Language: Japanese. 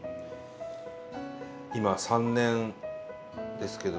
今３年ですけど。